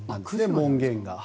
門限が。